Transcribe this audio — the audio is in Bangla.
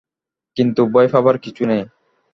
কিন্তু ভয় পাবার কিছু নেই।